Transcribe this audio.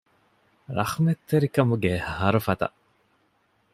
ރަޙްމަތްތެރިކަމުގެ ހަރުފަތަށް